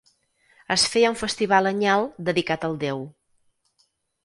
Es feia un festival anyal dedicat al déu.